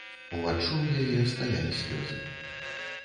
Уваччу ў яе стаялі слёзы.